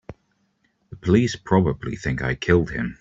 The police probably think I killed him.